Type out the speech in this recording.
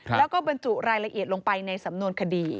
แล้วก็บรรจุรายละเอียดลงไปในสำนวนคดี